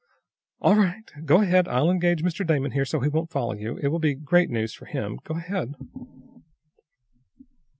"All right. Go ahead. I'll engage Mr. Damon here so he won't follow you. It will be great news for him. Go ahead."